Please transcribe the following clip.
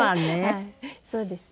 はいそうですね。